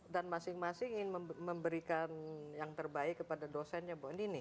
dan masing masing ingin memberikan yang terbaik kepada dosennya